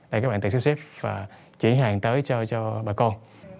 để các bạn tự xếp và chuyển hàng tới cho bà con